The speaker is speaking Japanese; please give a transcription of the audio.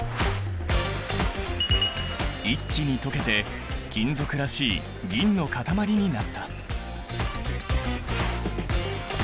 一気に溶けて金属らしい銀の塊になった。